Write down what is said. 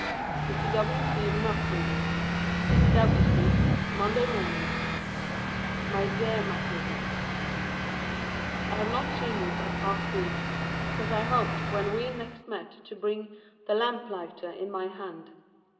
[Sidenote: Mr. W. C. Macready.] DOUGHTY STREET, Monday Morning. MY DEAR MACREADY, I have not seen you for the past week, because I hoped when we next met to bring "The Lamplighter" in my hand.